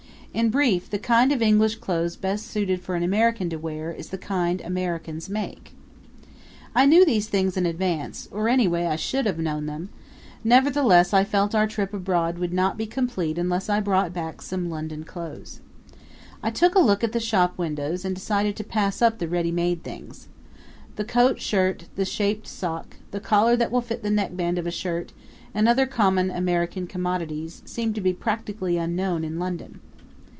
In brief, the kind of English clothes best suited for an American to wear is the kind Americans make. I knew these things in advance or, anyway, I should have known them; nevertheless I felt our trip abroad would not be complete unless I brought back some London clothes. I took a look at the shop windows and decided to pass up the ready made things. The coat shirt; the shaped sock; the collar that will fit the neckband of a shirt, and other common American commodities, seemed to be practically unknown in London.